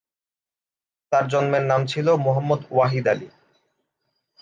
তার জন্মের নাম ছিল মুহাম্মদ ওয়াহিদ আলী।